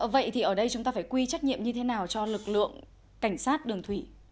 vậy thì ở đây chúng ta phải quy trách nhiệm như thế nào cho lực lượng cảnh sát đường thủy